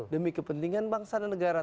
demi kepentingan bangsa dan negara